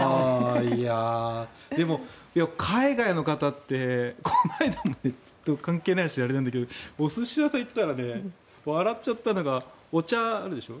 でも海外の方って関係ない話であれだけどお寿司屋さんに行ったら笑っちゃったのがお茶、あるでしょ？